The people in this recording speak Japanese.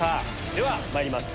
ではまいります